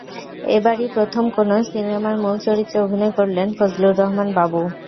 এবারই প্রথম কোনো সিনেমার মূল চরিত্রে অভিনয় করলেন ফজলুর রহমান বাবু।